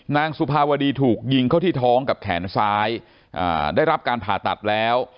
สุภาวดีถูกยิงเข้าที่ท้องกับแขนซ้ายได้รับการผ่าตัดแล้ว